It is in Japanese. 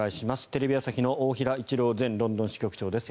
テレビ朝日の大平一郎前ロンドン支局長です。